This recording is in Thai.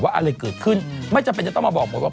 อะไรเกิดขึ้นไม่จำเป็นจะต้องมาบอกหมดว่า